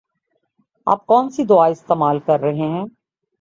آپ کون سی دوا استعمال کر رہے ہیں؟